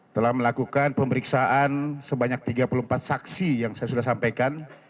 telah melakukan pemeriksaan sebanyak tiga puluh empat saksi yang saya sudah sampaikan